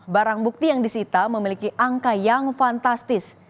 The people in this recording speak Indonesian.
barang bukti yang disita memiliki angka yang fantastis